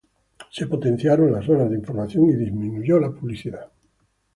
Se potenciaron las horas de información y disminuyó la publicidad.